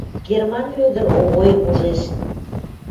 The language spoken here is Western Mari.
Герман Вӧдӹр Овойым ужеш.